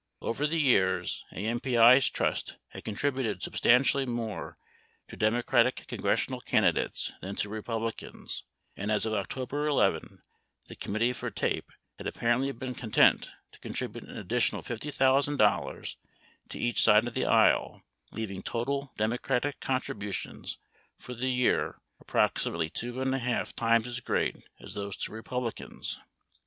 Over the years, AMPI's trust had contributed substantially more to Demo cratic congressional candidates than to Republicans, and as of Octo ber 11, the Committee for TAPE had apparently been content to con tribute an additional $50,000 to each side of the aisle, leaving total Democratic contributions for the year approximately two and one half times as great as those to Republicans.